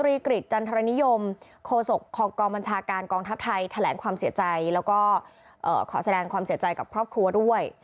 กริจจันทรนิยมโคศกของกองบัญชาการกองทัพไทยแถลงความเสียใจแล้วก็ขอแสดงความเสียใจกับครอบครัวด้วย